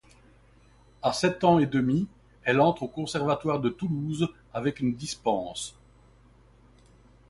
À sept ans et demi, elle entre au conservatoire de Toulouse avec une dispense.